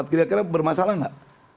kira kira bermasalah gak